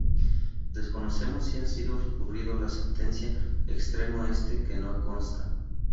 Desconocemos si ha sido recurrido la sentencia, extremo este que no consta.